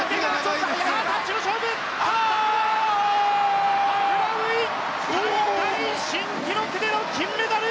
タッチの勝負、ハフナウイ大会新記録での金メダル！